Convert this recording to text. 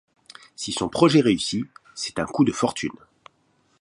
Si son projet réussit, c’est un coup de fortune!